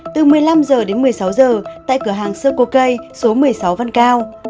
từ một mươi năm h đến một mươi sáu h tại cửa hàng circle k số một mươi sáu văn cao